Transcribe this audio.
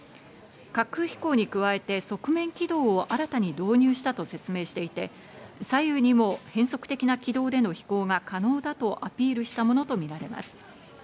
滑空飛行に加えて側面機動を新たに導入したと説明していて、左右にも変則的な軌道での飛行が可能だとアピールしたものとみられます。